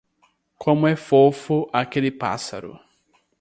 Como é fofo aquele pássaro.